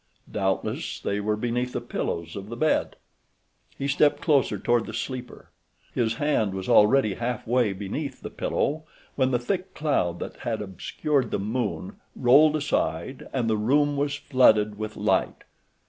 Doubtless they were beneath the pillows of the bed. He stepped closer toward the sleeper; his hand was already half way beneath the pillow when the thick cloud that had obscured the moon rolled aside and the room was flooded with light.